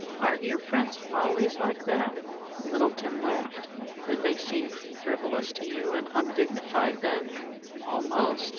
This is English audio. Are your friends always like that?" Littleton laughed. "Did they seem to you frivolous and undignified, then?" "Almost.